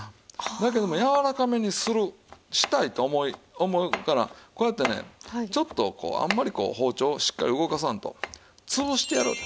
だけどもやわらかめにするしたいと思うからこうやってねちょっとこうあんまりこう包丁をしっかり動かさんとつぶしてやろうと。